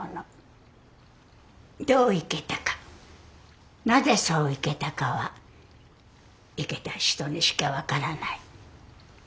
どう生けたかなぜそう生けたかは生けた人にしか分からない。